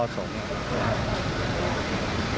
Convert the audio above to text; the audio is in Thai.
ปสม